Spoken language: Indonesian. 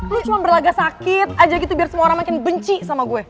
lu cuma berlaga sakit aja gitu biar semua orang makin benci sama gue